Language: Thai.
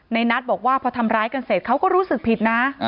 นัทบอกว่าพอทำร้ายกันเสร็จเขาก็รู้สึกผิดนะ